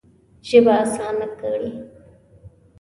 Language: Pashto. ژبه اسانه کړې.